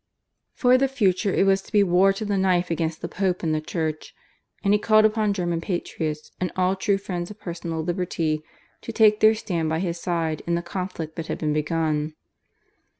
For the future it was to be war to the knife against the Pope and the Church, and he called upon German patriots and all true friends of personal liberty to take their stand by his side in the conflict that had been begun.